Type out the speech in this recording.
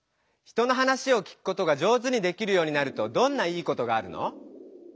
人の話を聞くことが上手にできるようになるとどんないいことがあるの？